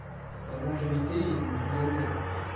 Sa longévité est d'une douzaine d'années.